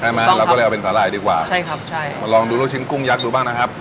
เราก็เลยเอาเป็นสาหร่ายดีกว่าใช่ครับใช่มาลองดูลูกชิ้นกุ้งยักษ์ดูบ้างนะครับ